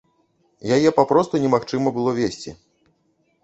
Яе папросту немагчыма было весці!